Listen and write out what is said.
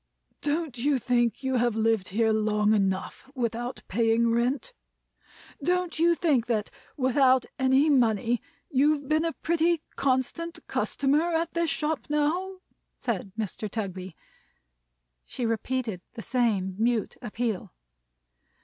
"Don't you think you have lived here long enough without paying any rent? Don't you think that, without any money, you've been a pretty constant customer at this shop, now?" said Mr. Tugby. She repeated the same mute appeal.